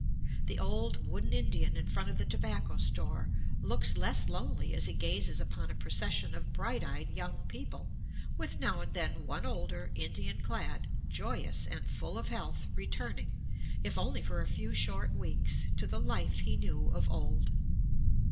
The old wooden Indian in front of the tobacco store looks less lonely as he gazes upon a procession of bright eyed young people, with now and then one older, Indian clad, joyous, and full of health, returning, if only for a few short weeks, to the life he knew of old.